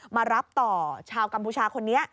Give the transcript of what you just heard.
มารับต่อชาวกัมพูชาคนนี้